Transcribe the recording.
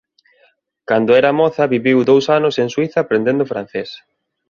Cando era moza viviu dous anos en Suíza aprendendo francés.